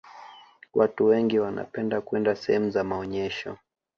watu wengi wanapenda kwenda sehemu za maonyesho